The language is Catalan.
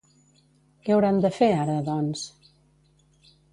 Què hauran de fer ara, doncs?